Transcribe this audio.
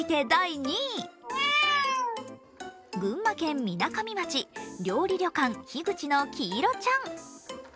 群馬県みなかみ町、料理旅館樋口のキイロちゃん。